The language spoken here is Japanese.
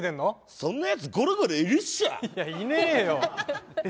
そんなやつごろごろいるっしょいやいねえよえっ